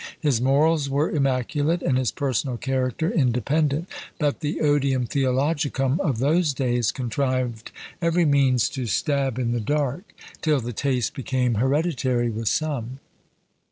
His morals were immaculate, and his personal character independent; but the odium theologicum of those days contrived every means to stab in the dark, till the taste became hereditary with some.